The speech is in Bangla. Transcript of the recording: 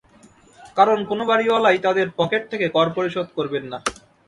কারণ, কোনো বাড়িওয়ালাই তাঁদের পকেট থেকে কর পরিশোধ করবেন না।